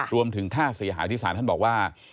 รวมถึงท่าศรีหาที่ศาลท่านบอกว่า